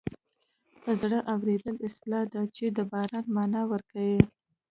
په زړه اورېدل اصطلاح ده چې د باران مانا ورکوي